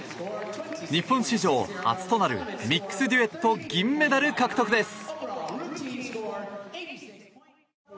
日本史上初となるミックスデュエット銀メダル獲得です。